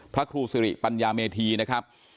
พระครูสิริปัญญาเมธีนะครับ